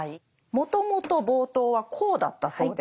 もともと冒頭はこうだったそうです。